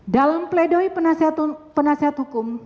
dalam pledoi penasihat hukum